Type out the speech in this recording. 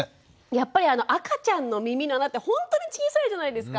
やっぱり赤ちゃんの耳の穴ってほんとに小さいじゃないですか。